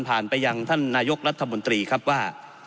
ไปยังท่านนายกรัฐมนตรีครับว่า